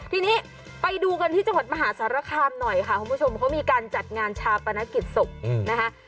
ทีนี้ไปดูกันที่จังหวัดมหาสารคามหน่อยค่ะคุณผู้ชมเขามีการจัดงานชาปนกิจศพนะคะ